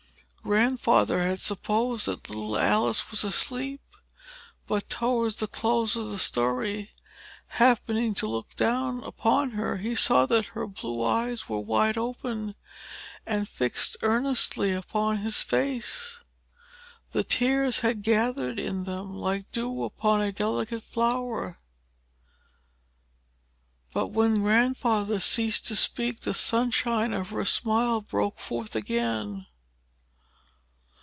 Grandfather had supposed that little Alice was asleep, but, towards the close of the story, happening to look down upon her, he saw that her blue eyes were wide open, and fixed earnestly upon his face. The tears had gathered in them, like dew upon a delicate flower; but when Grandfather ceased to speak, the sunshine of her smile broke forth again.